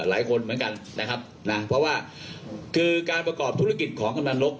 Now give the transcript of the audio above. หลายคนเหมือนกันนะครับนะเพราะว่าคือการประกอบธุรกิจของกำลังนก